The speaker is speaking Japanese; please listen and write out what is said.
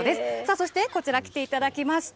そしてこちら、来ていただきました。